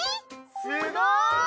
すごい！